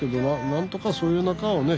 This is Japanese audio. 何とかそういう中をね